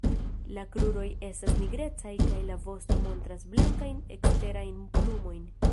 La kruroj estas nigrecaj kaj la vosto montras blankajn eksterajn plumojn.